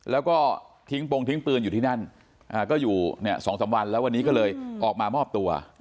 แล้วก็ทิ้งปงทิ้งปืนอยู่ที่นั่นก็อยู่๒๓วันแล้ววันนี้ก็เลยออกมามอบตัว